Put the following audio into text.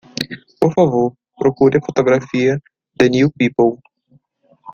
Por favor, procure a fotografia? The New People.